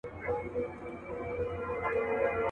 ما یي کمرونو کي لعلونه غوښتل.